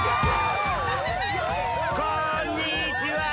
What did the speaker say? こんにちは！